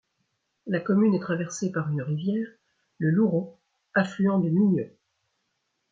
La commune est traversée par une rivière, le Louro, affluent du Miño.